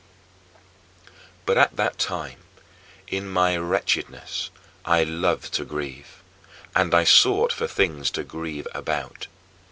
" 4. But at that time, in my wretchedness, I loved to grieve; and I sought for things to grieve about.